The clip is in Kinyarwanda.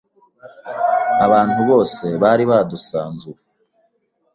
Abantu bose bari badusanze ubu